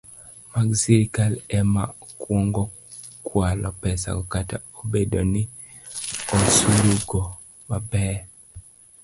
mag sirkal ema kwongo kwalo pesago, kata obedo ni osurogi maber